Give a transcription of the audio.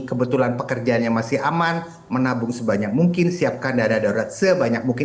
kebetulan pekerjaannya masih aman menabung sebanyak mungkin siapkan dana darurat sebanyak mungkin